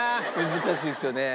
難しいですよね。